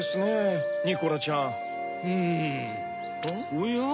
おや？